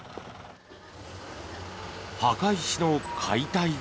墓石の解体が。